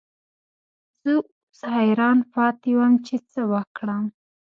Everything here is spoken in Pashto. زه اوس حیران پاتې وم چې څه وکړم.